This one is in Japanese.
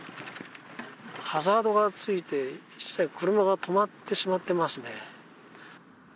ハザードがついて１台車が止まってしまっていますね。